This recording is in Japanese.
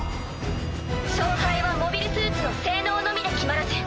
勝敗はモビルスーツの性能のみで決まらず。